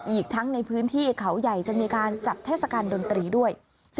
อีกทั้งในพื้นที่เขาใหญ่จะมีการจัดเทศกาลดนตรีด้วย